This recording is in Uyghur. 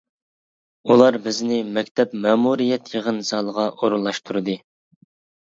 ئۇلار بىزنى مەكتەپ مەمۇرىيەت يىغىن زالىغا ئورۇنلاشتۇردى.